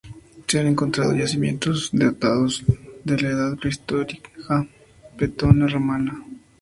Se han encontrado yacimientos datados de la edad prehistórica Vetona-Romana.